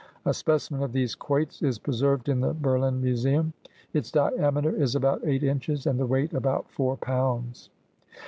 A specimen of these quoits is preserved in the Berlin Museum. Its diameter is about eight inches, and the weight about four pounds.